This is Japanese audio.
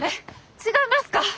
違いますか？